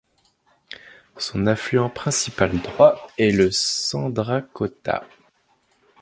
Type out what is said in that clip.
Son affluent principal droit est le Sandrakota.